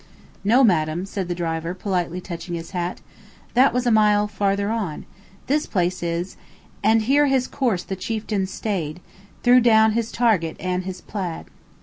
"'" "No, madam," said the driver, politely touching his hat, "that was a mile farther on. This place is: "'And here his course the chieftain staid, Threw down his target and his plaid.'"